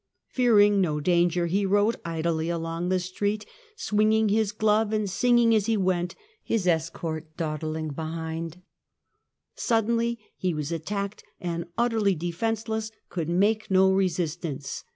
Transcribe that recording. Fearing no danger he rode idly along the street, swing ing his glove and singing as he went, his escort daw Murder of o o o o ^^jg Duke dling behind. Suddenly he was attacked, and, utterly of Orleans, defenceless, could make no resistance.